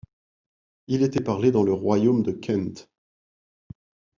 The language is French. Il était parlé dans le royaume de Kent.